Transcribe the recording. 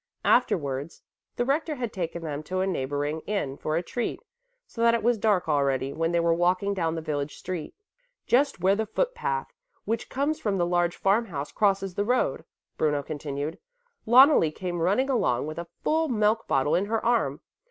Afterwards the rector had taken them to a neighboring inn for a treat, so that it was dark already when they were walking down the village street. "Just where the footpath, which comes from the large farmhouse crosses the road," Bruno continued, "Loneli came running along with a full milk bottle in her arm.